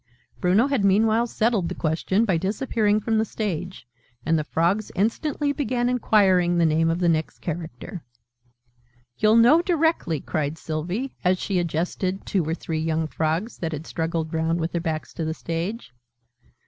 Bruno had meanwhile settled the question by disappearing from the stage; and the Frogs instantly began inquiring the name of the next Character. "You'll know directly!" cried Sylvie, as she adjusted two or three young Frogs that had struggled round with their backs to the stage.